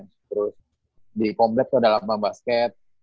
terus di kompleks itu ada lambang basket